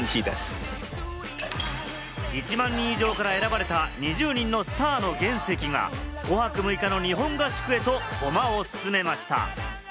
１万人以上から選ばれた、２０人のスターの原石が５泊６日の日本合宿へと駒を進めました。